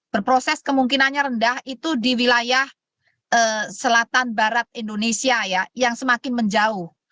berproses kemungkinannya rendah itu di wilayah selatan barat indonesia ya yang semakin menjauh